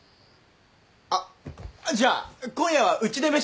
あっじゃあ今夜はうちで飯食いなよ。